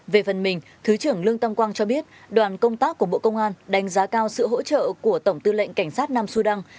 về phần mình thứ trưởng lương tâm quang cho biết đoàn công tác của bộ công an đánh giá cao sự hỗ trợ của tổng tư lệnh cảnh sát nam sudan